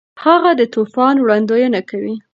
هغه د طوفان وړاندوینه کوي.